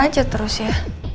rena aja terus ya